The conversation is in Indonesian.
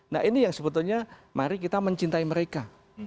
nah ini yang sebetulnya mari kita mencintai mereka